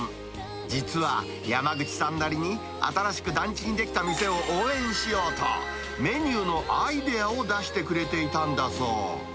実は、山口さんなりに、新しく団地に出来た店を応援しようと、メニューのアイデアを出してくれていたんだそう。